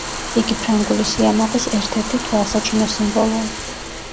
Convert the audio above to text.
იგი ფრანგული სიამაყის ერთ-ერთი თვალსაჩინო სიმბოლოა.